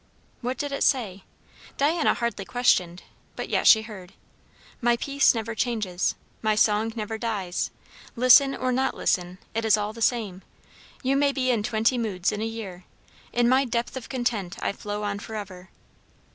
What did it say? Diana hardly questioned, but yet she heard, "My peace never changes. My song never dies. Listen, or not listen, it is all the same. You may be in twenty moods in a year. In my depth of content I flow on for ever."